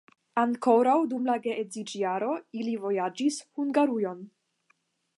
Ankoraŭ dum la geedziĝjaro ili vojaĝis Hungarujon.